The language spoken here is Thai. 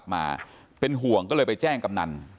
มาเป็นห่วงก็เลยไปแจ้งกำนัน